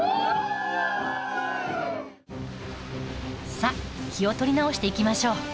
さあ気を取り直していきましょう。